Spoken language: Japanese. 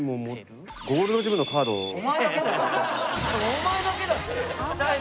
お前だけだって。